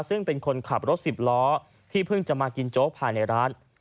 ซึ่งเป็นคนขับรถสิบล้อที่เพิ่งจะมากินโจ๊กภายในร้าน